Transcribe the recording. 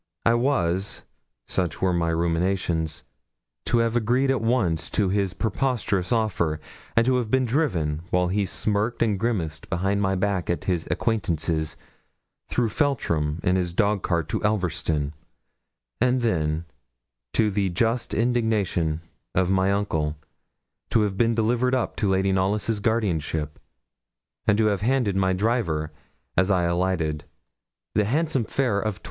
I was, such were my ruminations, to have agreed at once to his preposterous offer, and to have been driven, while he smirked and grimaced behind my back at his acquaintances, through Feltram in his dog cart to Elverston; and then, to the just indignation of my uncle, to have been delivered up to Lady Knolly's guardianship, and to have handed my driver, as I alighted, the handsome fare of 20.